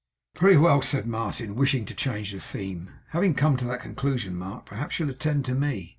'Very well,' said Martin, wishing to change the theme. 'Having come to that conclusion, Mark, perhaps you'll attend to me.